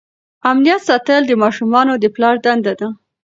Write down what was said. د امنیت ساتل د ماشومانو د پلار دنده ده.